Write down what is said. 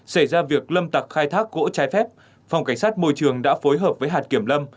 xảy ra việc lâm tặc khai thác gỗ trái phép phòng cảnh sát môi trường đã phối hợp với hạt kiểm lâm